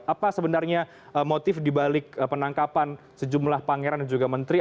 apa sebenarnya motif dibalik penangkapan sejumlah pangeran dan juga menteri